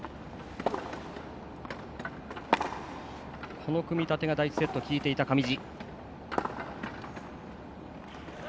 この組み立てが第１セットできいていた上地。